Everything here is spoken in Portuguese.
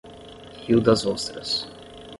Rio das Ostras